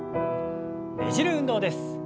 ねじる運動です。